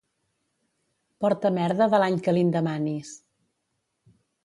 Porta merda de l'any que li'n demanis.